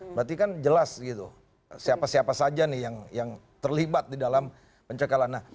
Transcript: berarti kan jelas gitu siapa siapa saja nih yang terlibat di dalam pencekalan